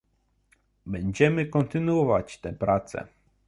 Będziemy kontynuować te prace